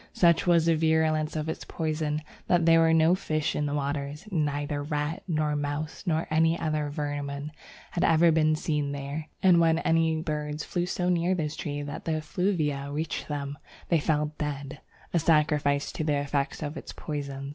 Such was the virulence of its poison that there were no fish in the waters. Neither rat, nor mouse, nor any other vermin had ever been seen there; and when any birds flew so near this tree that the effluvia reached them, they fell dead a sacrifice to the effects of its poison.